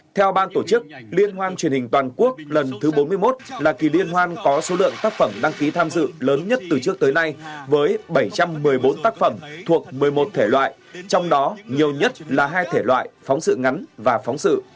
theo ban tổ chức liên hoan truyền hình toàn quốc lần thứ bốn mươi một là kỳ liên hoan có số lượng tác phẩm đăng ký tham dự lớn nhất từ trước tới nay với bảy trăm một mươi bốn tác phẩm thuộc một mươi một thể loại trong đó nhiều nhất là hai thể loại phóng sự ngắn và phóng sự